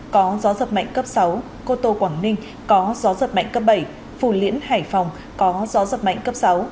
có gió giật mạnh cấp sáu cô tô quảng ninh có gió giật mạnh cấp bảy phù liễn hải phòng có gió giật mạnh cấp sáu